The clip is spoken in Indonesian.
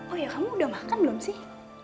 oh ya kamu udah makan belum sih